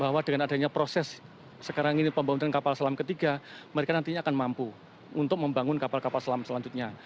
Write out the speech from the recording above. bahwa dengan adanya proses sekarang ini pembangunan kapal selam ketiga mereka nantinya akan mampu untuk membangun kapal kapal selam selanjutnya